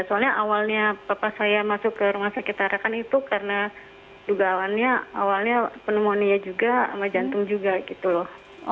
soalnya awalnya papa saya masuk ke rumah sakit tarakan itu karena dugaan awalnya pneumonia juga sama jantung juga gitu loh